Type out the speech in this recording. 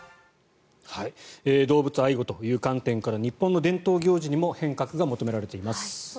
動物愛護という観点から日本の伝統行事にも変革が求められています。